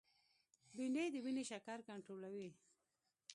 بېنډۍ د وینې شکر کنټرولوي